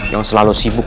yang selalu simpan